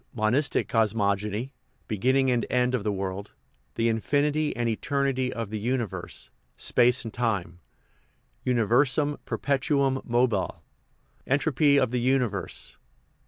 Monistic Cosmogony Beginning and End of the World The Infinity and Eternity of the Uni verse Space and Time Universum perpetuum mobile En tropy of the Universe II.